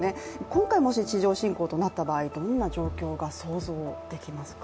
今回、もし地上侵攻となった場合どんな状況が想像できますか？